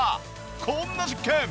こんな実験。